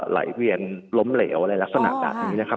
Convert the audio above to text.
ไหลเวียนล้มเหลวอะไรลักษณะตั่งงานนี้